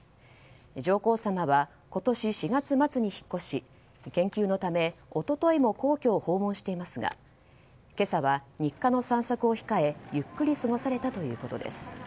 上皇さまは今年４月末に引っ越し研究のため一昨日も皇居を訪問していますが今朝は、日課の散策を控えゆっくり過ごされたということです。